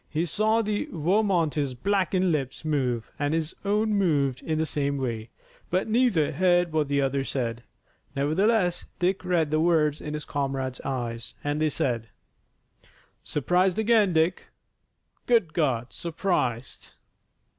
He saw the Vermonter's blackened lips move, and his own moved in the same way, but neither heard what the other said. Nevertheless Dick read the words in his comrade's eyes, and they said: "Surprised again, Dick! Good God, surprised!"